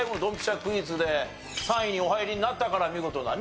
クイズで３位にお入りになったから見事なね